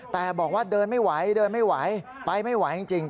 แต่บอกว่าเดินไม่ไหวเดินไม่ไหวไปไม่ไหวจริง